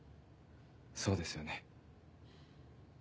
そうですよね？